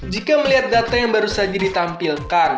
jika melihat data yang baru saja ditampilkan